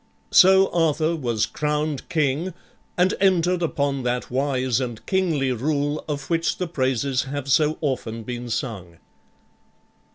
So Arthur was crowned king and entered upon that wise and kingly rule of which the praises have so often been sung.